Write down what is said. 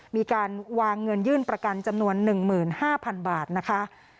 มีการวางเงินยื่นประกันจำนวน๑๕๐๐๐บาทนะคะ